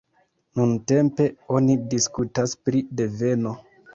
Nuntempe oni diskutas pri deveno.